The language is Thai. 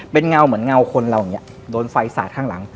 เป็นเงาเหมือนเงาคนเราอย่างนี้โดนไฟสาดข้างหลัง